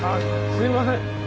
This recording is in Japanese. すいません。